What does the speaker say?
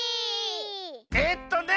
えっとね